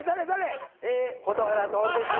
蛍原徹です。